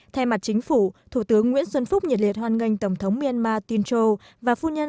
thay mặt chính phủ thủ tướng nguyễn xuân phúc nhiệt liệt hoan nghênh tổng thống myanmar tinch châu và phu nhân